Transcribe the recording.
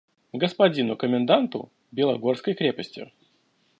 «Господину коменданту Белогорской крепости